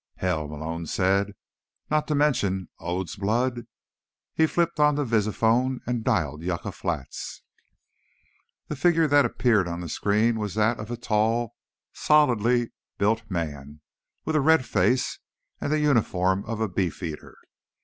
"Hell," Malone said. "Not to mention od's blood." He flipped on the visiphone and dialed Yucca Flats. The figure that appeared on the screen was that of a tall, solidly built man with a red face and the uniform of a Beefeater.